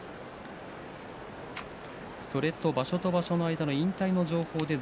場所と場所の間の引退の情報です。